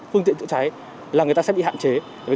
phương tiện chữa cháy là người ta sẽ bị hạn chế